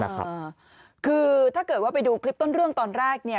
คือถ้าเกิดว่าไปดูคลิปต้นเรื่องตอนแรกเนี่ย